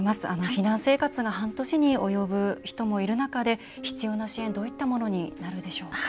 避難生活が半年に及ぶ人もいる中で必要な支援どういったものになるでしょうか？